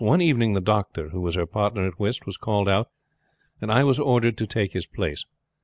One evening the doctor, who was her partner at whist, was called out, and I was ordered to take his place.